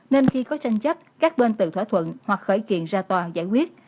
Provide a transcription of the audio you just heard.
nên khi có tranh chấp các bên tự thỏa thuận hoặc khởi kiện ra tòa giải quyết